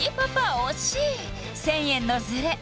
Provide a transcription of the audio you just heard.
惜しい１０００円のズレ